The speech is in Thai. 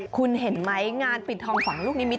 คุณเห็นไหมงานปิดทองฝั่งลูกนิมิต